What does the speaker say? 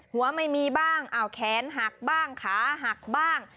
หัวไม่มีบ้างแขนหักบ้างขาหักบ้าง